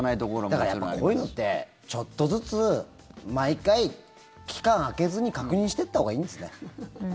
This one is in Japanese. だから、こういうのってちょっとずつ毎回、期間空けずに確認していったほうがいいんですね。